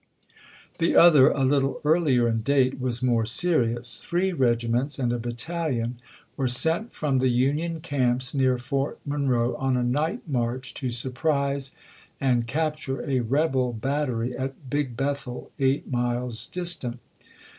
The other, a little earlier in date, was more seri ous. Three regiments and a battalion were sent from the Union camps near Fort Monroe on a night juneo.isei. march to surprise and capture a rebel battery at Big Bethel, eight miles distant.